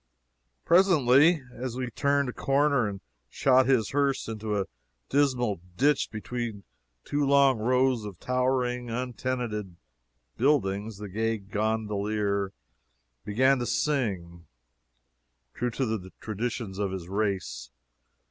Presently, as he turned a corner and shot his hearse into a dismal ditch between two long rows of towering, untenanted buildings, the gay gondolier began to sing, true to the traditions of his race.